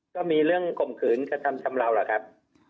ก็มีเรื่องข่มขืนกระทำชำราวล่ะครับ